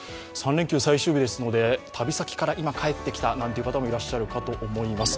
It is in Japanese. ３連休最終日ですので旅先から今帰ってきたなんて方もいらっしゃるかと思います。